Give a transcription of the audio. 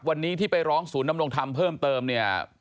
วันนี้ที่ไปร้องศูนย์นำรงธรรมเพิ่มเติมเนี่ย